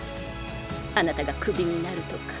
あなたがクビになるとか。